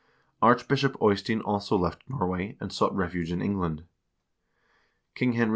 Arch bishop Eystein also left Norway, and sought refuge in England. King Henry II.